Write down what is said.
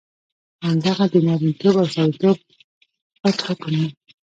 همدغه د نارینتوب او سړیتوب پت حکم وو.